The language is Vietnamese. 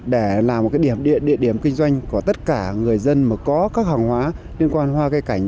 để làm một cái điểm địa điểm kinh doanh của tất cả người dân mà có các hàng hóa liên quan hoa cây cảnh